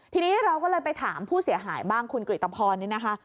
ทีนี้เราก็เลยไปถามผู้เสียหายบ้างคุณกริตภรนี่นะคะ